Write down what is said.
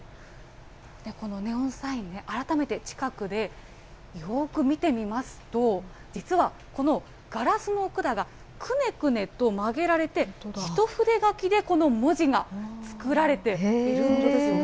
このネオンサインね、改めて近くでよーく見てみますと、実はこのガラスの管がくねくねと曲げられて、一筆書きでこの文字が作られているんですよね。